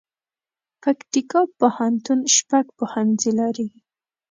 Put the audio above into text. پکتيکا پوهنتون شپږ پوهنځي لري